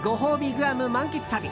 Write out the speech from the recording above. グアム満喫旅。